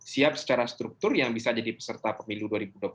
siap secara struktur yang bisa jadi peserta pemilu dua ribu dua puluh empat